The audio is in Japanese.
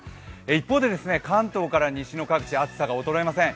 一方で関東から西の各地、暑さが衰えません。